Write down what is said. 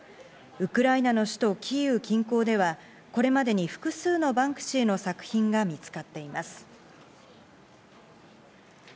ウクライナの首都キーウ近郊では、これまでに複数のバンクシーの作競馬の予想対決。